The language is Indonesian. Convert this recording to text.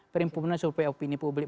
perimpunan supaya opini publik